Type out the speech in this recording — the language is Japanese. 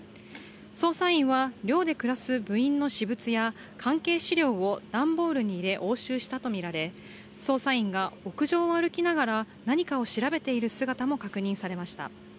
捜査員は寮で暮らす部員の私物や関係資料を段ボールに入れ押収したとみられ捜査員が屋上を歩きながら何かを調べている姿も確認されました。